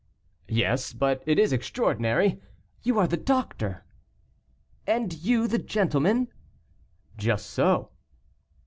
"Yes; but it is extraordinary. You are the doctor?" "And you the gentleman?" "Just so."